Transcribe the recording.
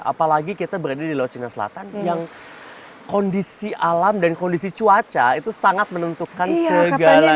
apalagi kita berada di laut cina selatan yang kondisi alam dan kondisi cuaca itu sangat menentukan segalanya